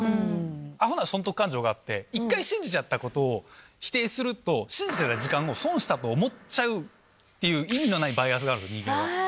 あほな損得勘定があって、一回信じちゃったことを否定すると、信じた時間を損したと思っちゃうっていう、意味のないバイアスがあるんですよ、人間は。